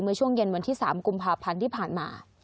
เมื่อช่วงเย็นวันที่๓กุมภาพันธ์ที่ผ่านมา